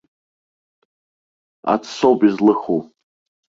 Атсоуп излыху!